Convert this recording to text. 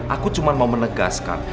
aku cuma mau menegaskan